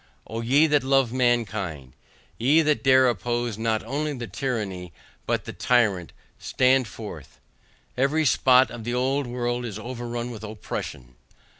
O ye that love mankind! Ye that dare oppose, not only the tyranny, but the tyrant, stand forth! Every spot of the old world is overrun with oppression.